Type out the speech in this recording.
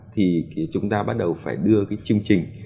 thì chúng ta bắt đầu phải đưa cái chương trình